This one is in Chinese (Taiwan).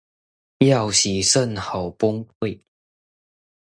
要洗腎好崩潰